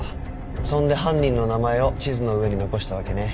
そんで犯人の名前を地図の上に残したわけね。